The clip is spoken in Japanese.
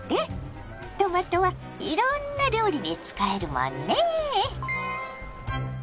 トマトはいろんな料理に使えるもんね。